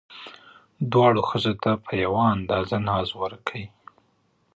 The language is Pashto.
دواړو ښځو ته په یوه اندازه ناز ورکئ.